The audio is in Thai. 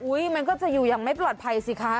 มันก็จะอยู่อย่างไม่ปลอดภัยสิคะ